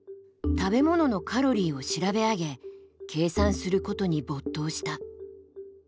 食べ物のカロリーを調べ上げ計算することに没頭した。